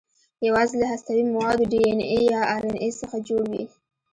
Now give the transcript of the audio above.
یواځې له هستوي موادو ډي ان اې یا ار ان اې څخه جوړ وي.